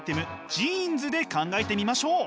ジーンズで考えてみましょう。